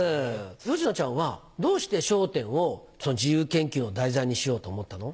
よしなちゃんはどうして『笑点』を自由研究の題材にしようと思ったの？